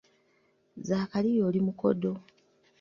Zaakaliya oli mukodo